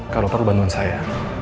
kalau perlu bantuan saya